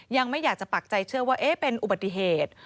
ยังไม่อยากจะปักใจเชื่อว่าเป็นอุบัติเหตุ